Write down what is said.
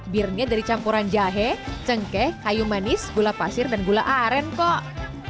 birnya dari campuran jahe cengkeh kayu manis gula pasir dan gula aren kok